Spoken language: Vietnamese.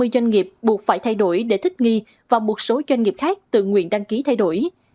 ba mươi doanh nghiệp buộc phải thay đổi để thích nghi và một số doanh nghiệp khác tự nguyện đăng ký thay đổi